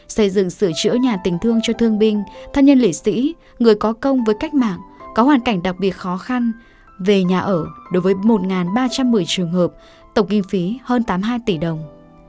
xây dựng sửa chữa nhà tình thương cho thương binh thân nhân lễ sĩ người có công với cách mạng có hoàn cảnh đặc biệt khó khăn về nhà ở đối với một ba trăm một mươi trường hợp tổng kinh phí hơn tám mươi hai tỷ đồng